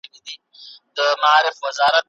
دولت باید د خلکو لپاره د کار زمینه برابره کړي.